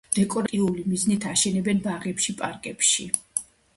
დეკორატიული მიზნით აშენებენ ბაღებში, პარკებში.